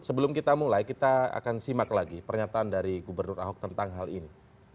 sebelum kita mulai kita akan simak lagi pernyataan dari gubernur ahok tentang hal ini